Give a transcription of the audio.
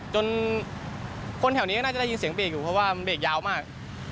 จนคนแถวนี้ก็น่าจะได้ยินเสียงเบรกอยู่เพราะว่ามันเบรกยาวมาก